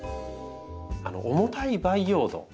重たい培養土